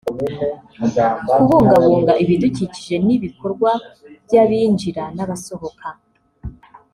kubungabunga ibidukikije n’ibikorwa by’abinjira n’abasohoka